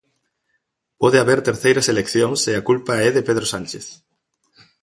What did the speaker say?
Pode haber terceiras eleccións e a culpa é de Pedro Sánchez.